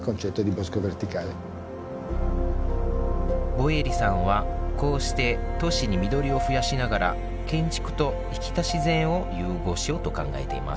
ボエリさんはこうして都市に緑を増やしながら建築と生きた自然を融合しようと考えています。